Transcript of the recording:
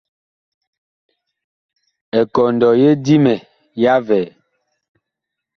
Ekɔndɔ ye Dimɛ ya vɛɛ.